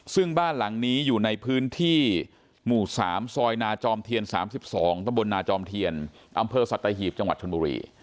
ซึ่งบ้านหลังนี้อยู่ในพื้นที่หมู่๓ซอยนาจอมเทียน๓๒ตะบลนาจอมเทียนอำเภอสัตหีบจังหวัดชนบุรี